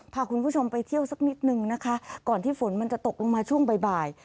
พาคุณผู้ชมไปเที่ยวสักนิดนึงนะคะก่อนที่ฝนมันจะตกลงมาช่วงบ่าย